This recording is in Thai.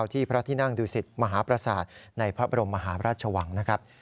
ที่พระที่นั่งดูสิตมหาประสาทในพระบรมมหาราชวังนะครับ